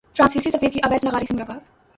فرانسیسی سفیر کی اویس لغاری سے ملاقات